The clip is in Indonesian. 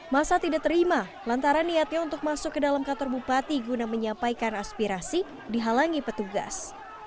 masa tidak terima lantaran niatnya untuk masuk ke dalam kantor bupati guna menyampaikan aspirasi dihalangi petugas